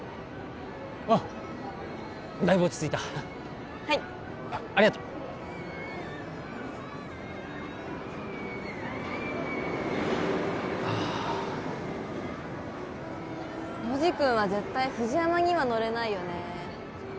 あっだいぶ落ち着いたはいありがとうああノジ君は絶対ＦＵＪＩＹＡＭＡには乗れないよね